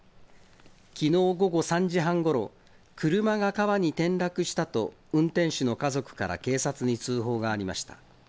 きのう午後３時半ごろ、車が川に転落したと運転手の家族から警察に通報がありました。